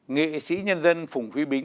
nghệ sĩ nhân dân phùng huy bính